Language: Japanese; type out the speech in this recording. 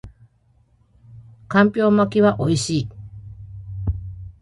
干瓢巻きは美味しい